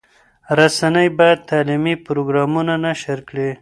رسنۍ باید تعلیمي پروګرامونه نشر کړي.